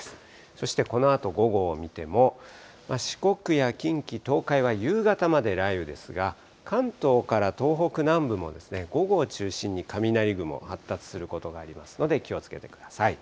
そしてこのあと午後を見ても、四国や近畿、東海は夕方まで雷雨ですが、関東から東北南部も午後を中心に、雷雲発達することがありますので、気をつけてください。